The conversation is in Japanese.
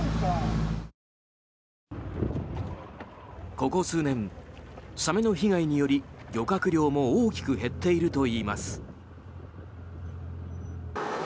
ここ数年、サメの被害により漁獲量も大きく減っているといいます。